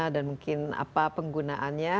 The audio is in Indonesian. dan mungkin apa penggunaannya